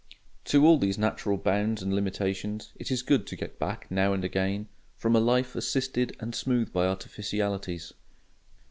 To all these natural bounds and limitations it is good to get back now and again, from a life assisted and smooth by artificialities.